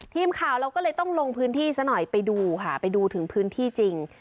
ทีมข่าวเราก็เลยต้องลงพื้นที่ซะหน่อยไปดูค่ะไปดูถึงพื้นที่จริง